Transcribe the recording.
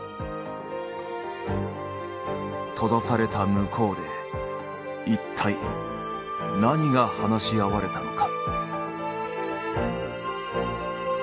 閉ざされた向こうで一体何が話し合われたのか。